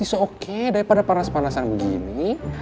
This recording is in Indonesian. bisa okey daripada panas panasan begini